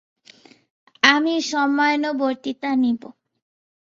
আমি সময়ানুবর্তিতা নিব।